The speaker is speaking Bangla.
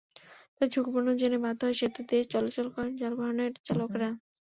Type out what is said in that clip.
তাই ঝুঁকিপূর্ণ জেনেও বাধ্য হয়েই সেতু দিয়ে চলাচল করেন যানবানের চালকেরা।